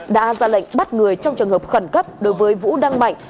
đã ra lệnh bắt người trong trường hợp khẩn cấp đối với vũ đăng mạnh